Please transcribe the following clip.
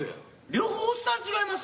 両方おっさんちがいます？